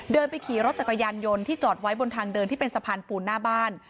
ไปขี่รถจักรยานยนต์ที่จอดไว้บนทางเดินที่เป็นสะพานปูนหน้าบ้าน